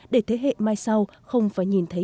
để thế hệ mai sau không phải nhìn thấy